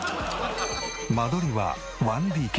間取りは１ＤＫ。